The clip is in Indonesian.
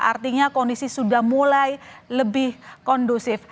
artinya kondisi sudah mulai lebih kondusif